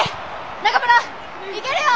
中村いけるよ！